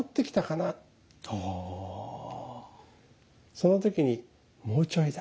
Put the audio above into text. その時にもうちょいだ。